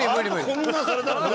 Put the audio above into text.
こんなのされたらさ。